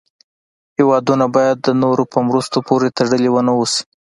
هېوادونه باید د نورو په مرستو پورې تړلې و نه اوسي.